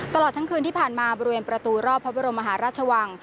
ตลอดทั้งคืนที่ผ่านมาบริเวณประตูรอบพระบรมมหาราชวัง